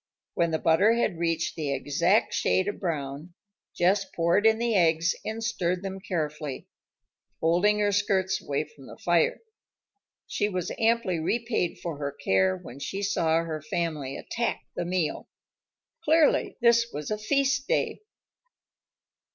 When the butter had reached the exact shade of brown, Jess poured in the eggs and stirred them carefully, holding her skirts away from the fire. She was amply repaid for her care when she saw her family attack the meal. Clearly this was a feast day.